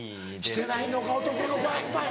してないのか男の子はやっぱり。